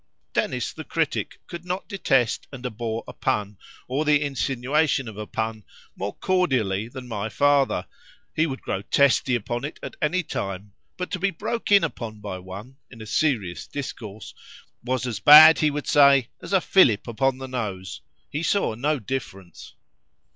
Dennis the critic could not detest and abhor a pun, or the insinuation of a pun, more cordially than my father;—he would grow testy upon it at any time;—but to be broke in upon by one, in a serious discourse, was as bad, he would say, as a fillip upon the nose;——he saw no difference.